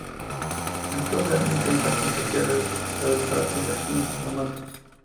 Entonces Dani intenta chantajear a Isabelle para convertirse en su amante.